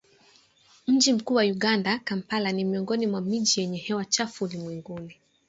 Mji mkuu wa Uganda, Kampala ni miongoni mwa miji yenye hewa chafu ulimwenguni